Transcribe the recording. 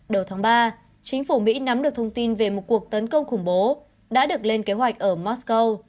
đầu tháng ba chính phủ mỹ nắm được thông tin về một cuộc tấn công khủng bố đã được lên kế hoạch ở moscow